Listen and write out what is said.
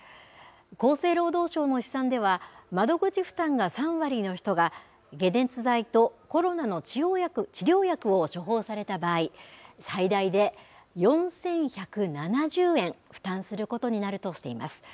厚生労働省の試算では、窓口負担が３割の人が、解熱剤とコロナの治療薬を処方された場合、最大で４１７０円、負担することになるとしています。